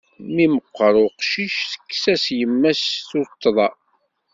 Mi meqqer uqcic, tekkes-as yemma-s tuṭṭḍa.